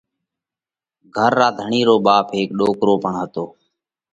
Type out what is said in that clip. گھر ڌڻِي رو ٻاپ هيڪ ڏوڪرو پڻ هتو۔